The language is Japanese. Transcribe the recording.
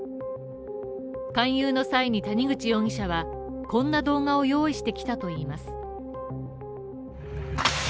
勧誘の際に谷口容疑者はこんな動画を用意してきたといいます。